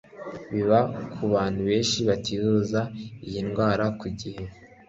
biba ku bantu benshi bativuza iyi ndwara ku gihe